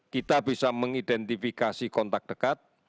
kita bisa mengidentifikasi kontak dekat